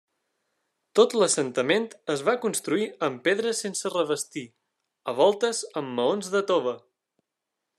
Tot l'assentament es va construir amb pedra sense revestir, a voltes amb maons de tova.